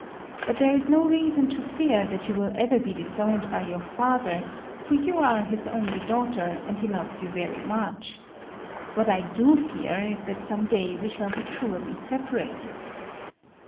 But there is no reason to fear that you will ever be disowned by your father; for you are his only daughter, and he loves you very much. What I do fear is that some day we shall be cruelly separated."